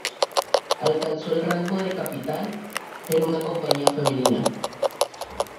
Alcanzó el rango de capitán en una compañía femenina.